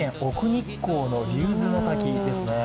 日光の竜頭ノ滝ですね。